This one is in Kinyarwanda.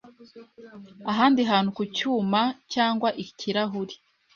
ahandi hantu ku cyuma cyangwa ikirahuri,